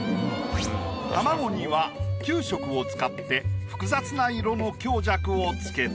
たまごには９色を使って複雑な色の強弱を付けた。